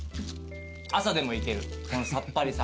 朝でもいけるこのさっぱりさ。